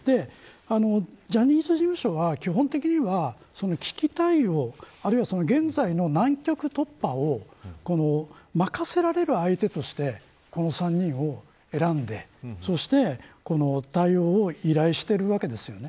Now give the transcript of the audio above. ジャニーズ事務所は、基本的には危機対応、あるいは現在の難局突破を任せられる相手としてこの３人を選んでそして、対応を依頼しているわけですよね。